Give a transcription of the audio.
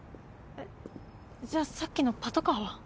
じゃあさっきのパトカーは？